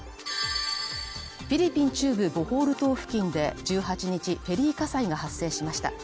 フィリピン中部ボホール島付近で１８日、フェリー火災が発生しました。